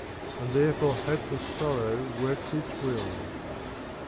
And therefore hopeless sorrow works its will.